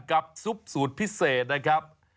ซุปสูตรพิเศษนะครับ